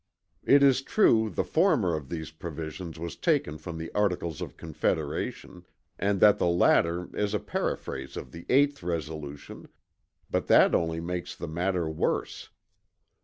It is true that the former of these provisions was taken from the Articles of Confederation; and that the latter is a paraphrase of the 8th resolution, but that only makes the matter worse.